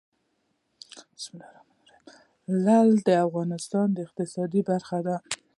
لعل د افغانستان د اقتصاد برخه ده.